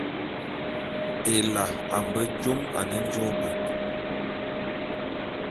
Ela a mbe jôm ane njôô bôt.